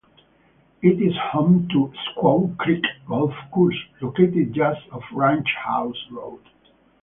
It is home to Squaw Creek golf course, located just off Ranch House Road.